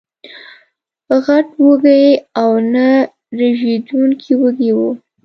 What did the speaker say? غټ وږي او نه رژېدونکي وږي وو